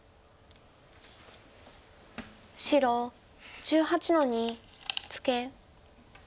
白１８の二ツケ。